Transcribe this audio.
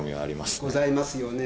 ございますよね。